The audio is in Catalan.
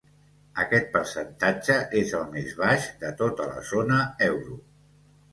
Aquest percentatge és el més baix de tota la zona euro.